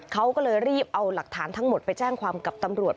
เขาก็เลยรีบเอาหลักฐานทั้งหมดไปแจ้งความกับตำรวจ